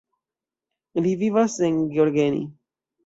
Li vivas en Gheorgheni.